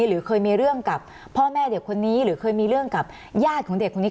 หรือเคยมีเรื่องกับพ่อแม่เด็กคนนี้หรือเคยมีเรื่องกับญาติของเด็กคนนี้